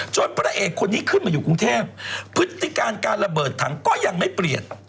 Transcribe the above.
พระเอกคนนี้ขึ้นมาอยู่กรุงเทพพฤติการการระเบิดถังก็ยังไม่เปลี่ยน